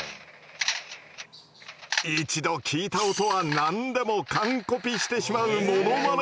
一度聞いた音は何でも完コピしてしまうモノマネの達人。